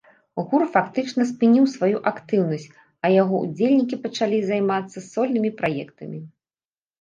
Гурт фактычна спыніў сваю актыўнасць, а яго ўдзельнікі пачалі займацца сольнымі праектамі.